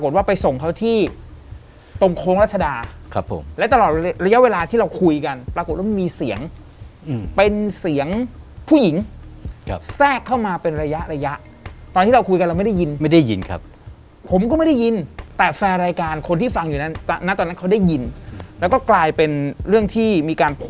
ได้แต่ก็ไม่แนะนำเพราะว่าของพวกเนี้ยบางทีมัน